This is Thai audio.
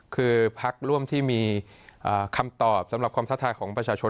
คือพักร่วมที่มีคำตอบสำหรับความท้าทายของประชาชน